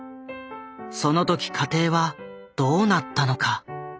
その時家庭はどうなったのか。